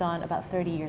ada foto nya